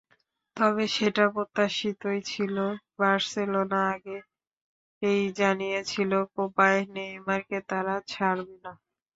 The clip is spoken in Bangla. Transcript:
তবে সেটা প্রত্যাশিতই ছিল, বার্সেলোনা আগেই জানিয়েছিল কোপায় নেইমারকে তারা ছাড়বে না।